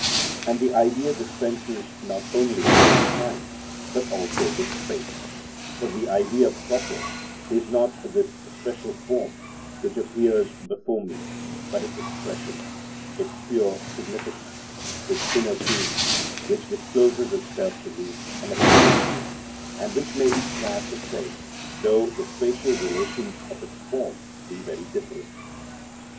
And the Idea dispenses not only with time, but also with space, for the Idea proper is not this special form which appears before me but its expression, its pure significance, its inner being, which discloses itself to me and appeals to me, and which may be quite the same though the spatial relations of its form be very different.